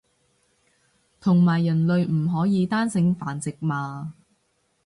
同埋人類唔可以單性繁殖嘛